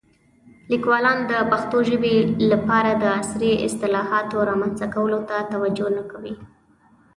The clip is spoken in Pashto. لیکوالان د پښتو ژبې لپاره د عصري اصطلاحاتو رامنځته کولو ته توجه نه کوي.